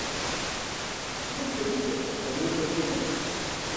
Зыр пэ джыдэт, адрейр пэтӏинэт.